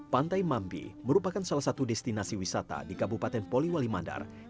pantai mambi merupakan salah satu destinasi wisata di kabupaten poliwali mandar